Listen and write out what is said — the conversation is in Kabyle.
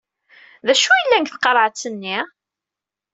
D acu yellan deg tqerɛet-nni?